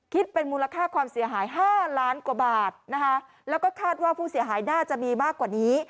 คิดเป็นมูลค่าความเสียหายห้าล้านกว่าบาทนะคะแล้วก็คาดว่าผู้เสียหายน่าจะมีมากกว่านี้